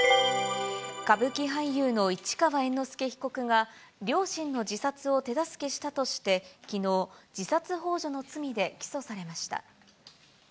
歌舞伎俳優の市川猿之助被告が、両親の自殺を手助けしたとして、きのう、自殺ほう助の罪で起訴されました。